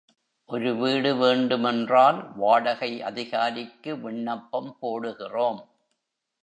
ஒரு வீடு வேண்டுமென்றால் வாடகை அதிகாரிக்கு விண்ணப்பம் போடுகிறோம்.